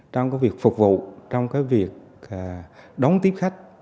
trong cái việc phục vụ trong cái việc đóng tiếp khách